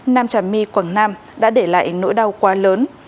nam trà my quảng nam đã để lại nỗi đau quá lớn